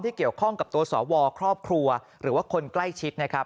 เกี่ยวข้องกับตัวสวครอบครัวหรือว่าคนใกล้ชิดนะครับ